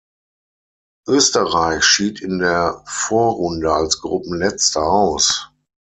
Österreich schied in der Vorrunde als Gruppenletzter aus.